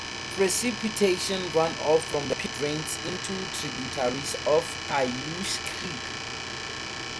Precipitation runoff from the peak drains into tributaries of Cayoosh Creek.